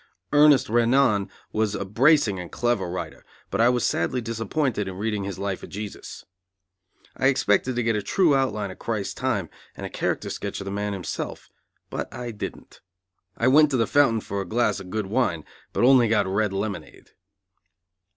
Ernest Renan was a bracing and clever writer, but I was sadly disappointed in reading his Life of Jesus. I expected to get a true outline of Christ's time and a character sketch of the man himself, but I didn't. I went to the fountain for a glass of good wine, but got only red lemonade.